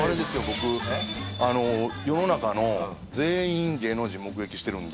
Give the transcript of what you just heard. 僕世の中の全員芸能人目撃してるんで。